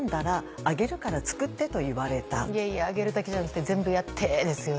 いやいや「あげるだけじゃなくて全部やって」ですよね。